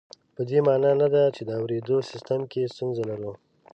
په دې مانا نه ده چې د اورېدو سیستم کې ستونزه لرو